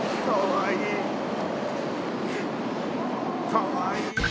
かわいい！